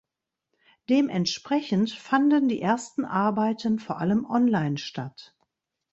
Dementsprechend fanden die ersten Arbeiten vor allem online statt.